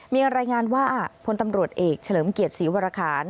มีรายงานว่าพลตำรวจเอกเฉลิมเกียรติศรีวรคาร